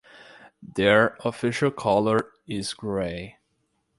Their official color is gray.